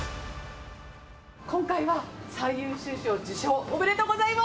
今回は最優秀賞受賞、おめでとうございます。